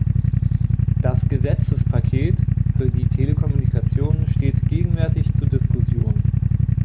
Das Gesetzespaket für die Telekommunikation steht gegenwärtig zur Diskussion.